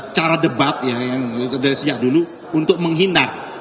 cara debat ya yang dari sejak dulu untuk menghina